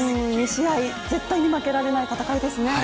２試合、絶対に負けられない戦いですね。